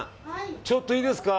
ちょっといいですか？